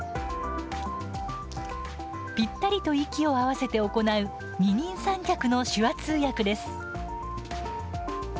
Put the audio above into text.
ぴったりと息を合わせて行う二人三脚の手話通訳です。